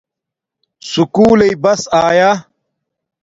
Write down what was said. سکُول لݵ بس آیا